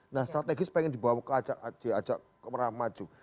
nah strategis pengen dibawa diajak ke peram maju